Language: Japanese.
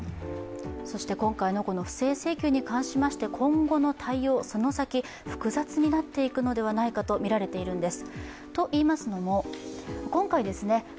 そして今回の不正請求に関しまして今後の対応、そしてその先、複雑になっていくのではないかとみられているんです。